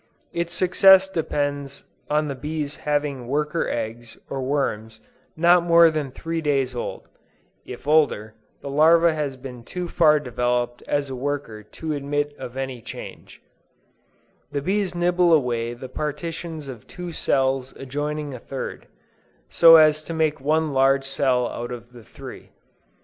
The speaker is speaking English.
Its success depends on the bees having worker eggs or worms not more than three days old; (if older, the larva has been too far developed as a worker to admit of any change:) the bees nibble away the partitions of two cells adjoining a third, so as to make one large cell out of the three.